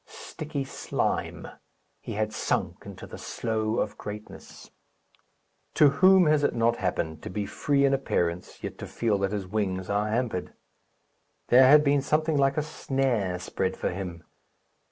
Sticky slime! He had sunk into the slough of greatness. To whom has it not happened to be free in appearance, yet to feel that his wings are hampered? There had been something like a snare spread for him.